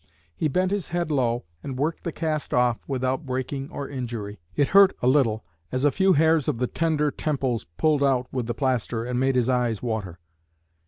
He bent his head low, and worked the cast off without breaking or injury; it hurt a little, as a few hairs of the tender temples pulled out with the plaster and made his eyes water.